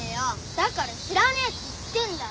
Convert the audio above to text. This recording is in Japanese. だから知らねえって言ってるだろ！